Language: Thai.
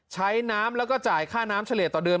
ใช้น้ำแล้วก็จ่ายค่าน้ำเฉลี่ยต่อเดือน